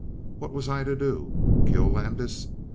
What was I to do? Kill Landis?